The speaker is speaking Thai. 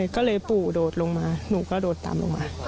ก็เลยปู่โดดลงมาหนูกระโดดตามลงมา